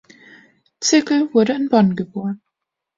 Zirkel wurde in Bonn geboren.